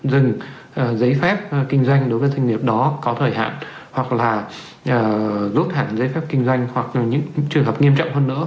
dừng giấy phép kinh doanh đối với doanh nghiệp đó có thời hạn hoặc là rút hẳn giấy phép kinh doanh hoặc là những trường hợp nghiêm trọng hơn nữa